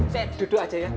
saya duduk aja ya